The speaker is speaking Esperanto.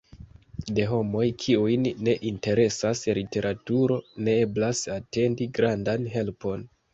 De homoj, kiujn ne interesas literaturo, ne eblas atendi grandan helpon.